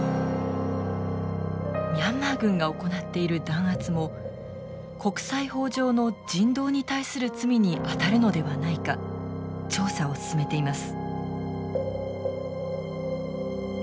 ミャンマー軍が行っている弾圧も国際法上の人道に対する罪にあたるのではないか調査を進めています。